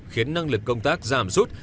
khiến năng lực công tác giảm rút